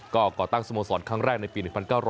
ก็ก่อตั้งสโมสรครั้งแรกในปี๑๙๐